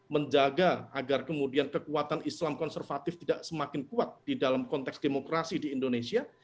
menjaga agar kemudian kekuatan islam konservatif tidak semakin kuat di dalam konteks demokrasi di indonesia